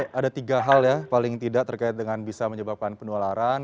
jadi ada tiga hal ya paling tidak terkait dengan bisa menyebabkan penularan